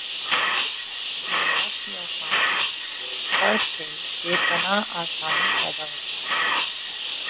نمازکے اوقات میں فرق سے بے پناہ آسانی پیدا ہوگئی ہے۔